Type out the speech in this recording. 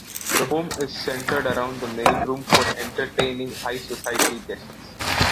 The home is centered around the main room for entertaining high society guests.